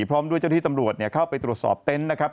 พร้อมด้วยเจ้าที่ตำรวจเข้าไปตรวจสอบเต็นต์นะครับ